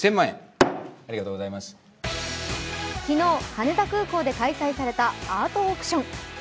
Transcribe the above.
昨日、羽田空港で開催されたアートオークション。